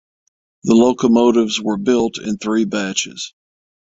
The locomotives were built in three batches.